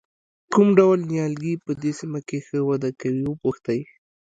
کوم ډول نیالګي په دې سیمه کې ښه وده کوي وپوښتئ.